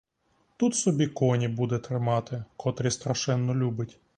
Тут собі коні буде тримати, котрі страшенно любить.